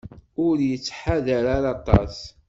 Ur yettḥadar ara aṭas.